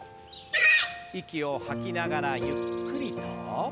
息を吐きながらゆっくりと。